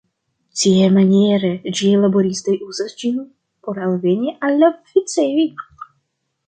Tiamaniere ĝiaj laboristoj uzas ĝin por alveni al la oficejoj.